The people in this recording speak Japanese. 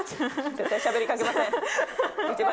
絶対しゃべりかけません。